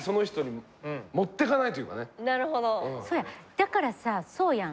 だからさそうやん。